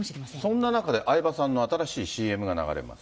そんな中で、相葉さんの新しいＣＭが流れます。